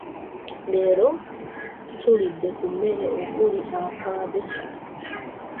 Leero tulidde ku mmere okuli akambe.